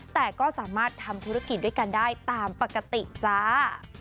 แต่ก็สามารถทำธุรกิจด้วยกันได้ตามปกติจ้า